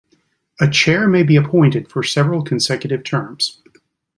A chair may be appointed for several consecutive terms.